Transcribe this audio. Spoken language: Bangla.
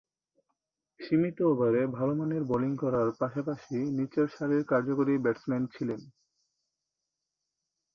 সীমিত ওভারে ভালোমানের বোলিং করার পাশাপাশি নিচেরসারির কার্যকরী ব্যাটসম্যান ছিলেন।